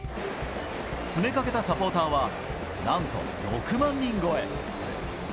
詰めかけたサポーターは、なんと６万人超え。